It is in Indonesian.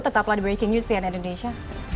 tetaplah di breaking news di sian indonesia